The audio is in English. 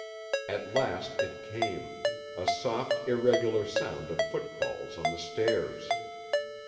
At last it came—a soft, irregular sound of footfalls on the stairs!